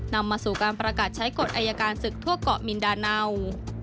นำมาสู่การประกาศใช้กฎอายการศึกทั่วเกาะมินดาเนา